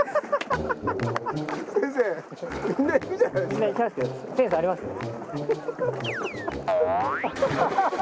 みんないきますけどセンスありますよ。